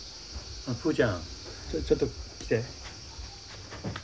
ブちゃんちょっと来て。